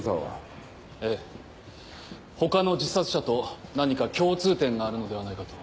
他の自殺者と何か共通点があるのではないかと。